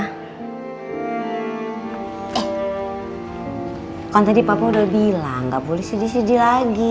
eh kan tadi papa udah bilang nggak boleh sedih sedih lagi